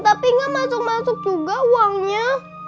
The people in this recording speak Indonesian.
tapi nggak masuk masuk juga uangnya